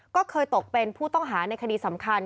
ก็เคยตกเป็นผู้ต้องหาในคดีสำคัญ